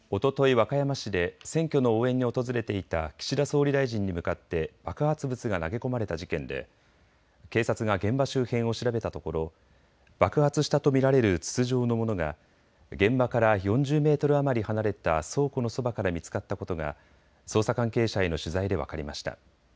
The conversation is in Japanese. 和歌山市で選挙の応援に訪れていた岸田総理大臣に向かって爆発物が投げ込まれた事件で警察が現場周辺を調べたところ爆発したと見られる筒状のものが現場から４０メートル余り離れた倉庫のそばから見つかったことが捜査関係者への取材で分かりました。